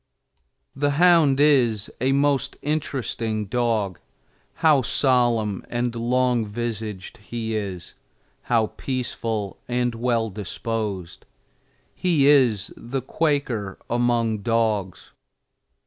The hound is a most interesting dog. How solemn and long visaged he is how peaceful and well disposed! He is the Quaker among dogs.